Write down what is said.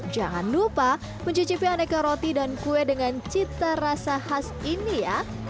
jangan lupa mencicipi aneka roti dan kue dengan cita rasa khas ini ya